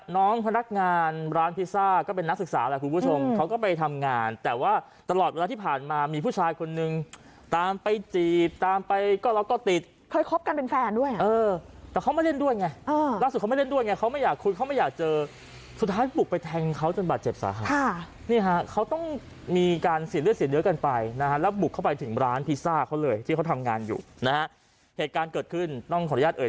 น้องพนักงานร้านพิซซ่าก็เป็นนักศึกษาแหละคุณผู้ชมเขาก็ไปทำงานแต่ว่าตลอดเวลาที่ผ่านมามีผู้ชายคนหนึ่งตามไปจีบตามไปก็แล้วก็ติดเคยครบกันเป็นแฟนด้วยเออแต่เขาไม่เล่นด้วยไงเออล่าสุดเขาไม่เล่นด้วยไงเขาไม่อยากคุยเขาไม่อยากเจอสุดท้ายบุกไปแทงเขาจนบาดเจ็บสาธารณ์นี่ฮะเขาต้องมีการเสียเลือดเสีย